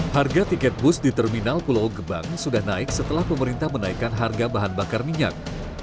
harga tiket bus di terminal pulau gebang sudah naik setelah pemerintah menaikkan harga bahan bakar minyak